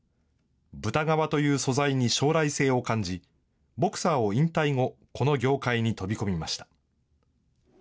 豚革という素材に将来性を感じ、ボクサーを引退後、この業界に飛び込みました。